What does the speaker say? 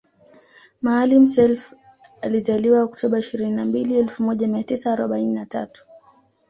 Maalim Self alizaliwa oktoba ishirini na mbili elfu moja mia tisa arobaini na tatu